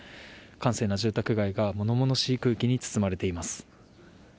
閑静な住宅街が物々しい空気に包まれています。